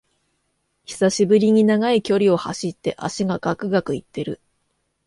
久しぶりに長い距離を走って脚がガクガクいってる